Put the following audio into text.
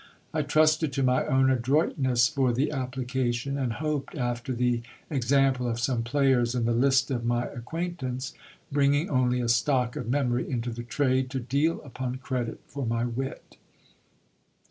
I trusted to my own adroitness for the application, and hoped, after the exam ple of some players in the list of my acquaintance, bringing only a stock of memory into the trade, to deal upon credit for my wit.